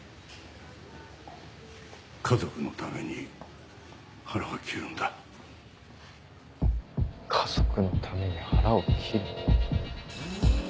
家族のために腹を切るんだ家族のために腹を切る。